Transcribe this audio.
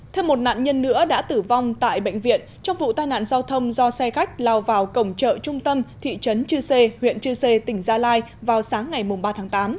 thêm một nạn nhân nữa đã tử vong tại bệnh viện trong vụ tai nạn giao thông do xe khách lao vào cổng chợ trung tâm thị trấn chư sê huyện chư sê tỉnh gia lai vào sáng ngày ba tháng tám